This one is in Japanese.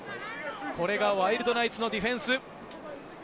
これがワイルドナイツのディフェンス。